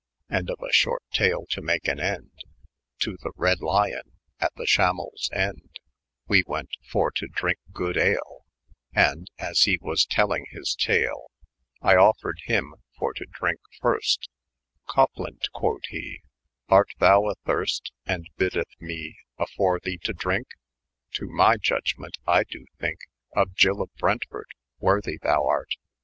And of a short tale to make an ende, To the Bead Lyon at the shamels end We went for to diynke good ale j And as he was tellyng his tale, I offred hym for to drynke fyrst :" Copland," qnod he, " art thou a thyrst, And byddeth me a fore the to drynke ? To my Jngemeut, I do thynke, Of Jyll of Brentford worthy thou art.